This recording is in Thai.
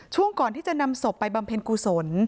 ช่วงก่อนที่จะนำศพไปบำเพ็ญกุศล